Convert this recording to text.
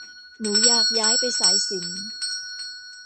หนูอยากย้ายไปสายศิลป์